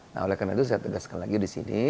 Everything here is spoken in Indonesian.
nah oleh karena itu saya tegaskan lagi di sini